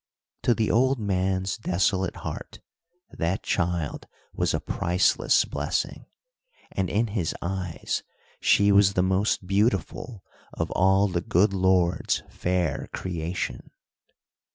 To the old man's desolate heart, that child was a priceless blessing, and in his eyes she was the most beautiful of all the good Lord's fair creation.